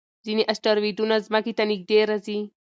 ځینې اسټروېډونه ځمکې ته نږدې راځي.